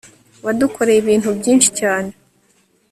wadukoreye ibintu byinshi cyane